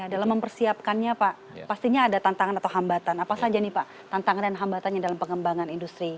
dalam mempersiapkannya pak pastinya ada tantangan atau hambatan apa saja nih pak tantangan dan hambatannya dalam pengembangan industri